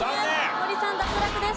森さん脱落です。